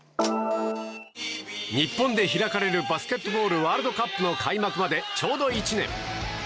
日本で開かれるバスケットボールワールドカップの開幕までちょうど１年。